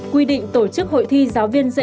quy định tổ chức hội thi giáo viên giáo viên